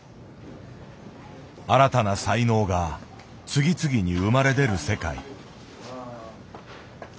新たな才能が次々に生まれ出る世界。